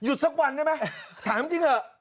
หยุดสักวันได้มั้ยถามจริงเหอะ